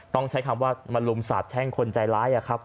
ต้องใช้คำว่ามาลุมสาบแช่งคนใจร้ายครับ